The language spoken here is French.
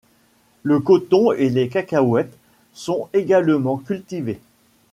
Le coton et les cacahuètes sont également cultivés.